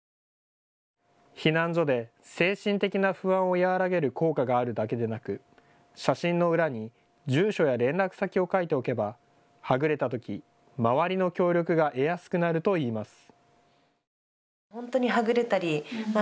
避難所で精神的な不安を和らげる効果があるだけでなく写真の裏に住所や連絡先を書いておけばはぐれたとき周りの協力が得やすくなるといいます。